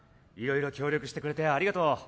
いろいろ協力してくれてありがとう。